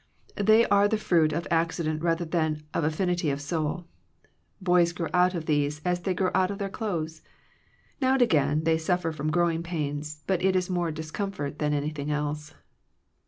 They are the fruit of accident rather than of affinity of soul. Boys grow out of these as they grow out of their clothes. Now and again they suffer from growing pains, but it is more discomfort than anything else.